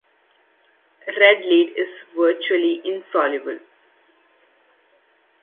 Red lead is virtually insoluble in water and in ethanol.